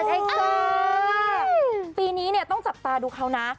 อเรนนี่ปีนี้ต้องจับตาดูเขาน่ะ